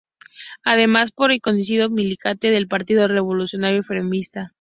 Era además un conocido militante del Partido Revolucionario Febrerista.